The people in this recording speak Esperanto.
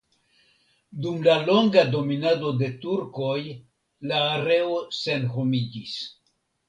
Dum la longa dominado de turkoj la areo senhomiĝis.